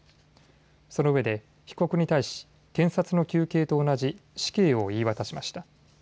そのうえで被告に対し検察の求刑と同じ死刑を言い渡しました。